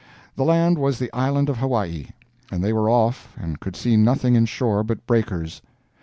The land was the island of Hawaii, and they were off and could see nothing in shore but breakers.